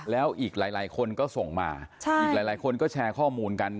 แล้วอีกหลายคนก็ส่งมาอีกหลายคนก็แชร์ข้อมูลกัน